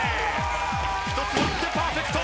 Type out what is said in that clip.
１つ割ってパーフェクト。